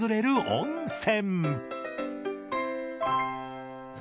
温泉！